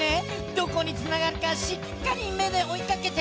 どこにつながるかしっかりめでおいかけて。